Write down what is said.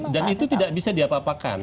dan itu tidak bisa diapa apakan